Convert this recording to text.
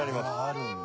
あるんだ。